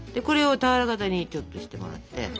これを俵形にちょっとしてもらって。